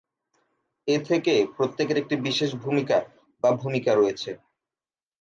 এ থেকে, প্রত্যেকের একটি বিশেষ ভূমিকা বা ভূমিকা রয়েছে।